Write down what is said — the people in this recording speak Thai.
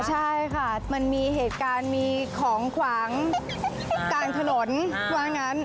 ใช่ค่ะมันมีเหตุการณ์มีของขวางกลางถนนว่างั้น